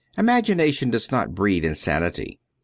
Imagination does not breed insanity.